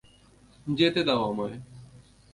যেতে দাও আমায়।